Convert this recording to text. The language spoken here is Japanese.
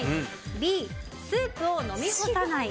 Ｂ、スープを飲みほさない。